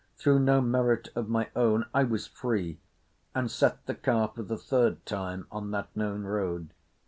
Through no merit of my own I was free, and set the car for the third time on that known road.